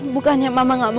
bukannya mama gak mau